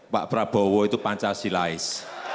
pak prabowo itu pancasilais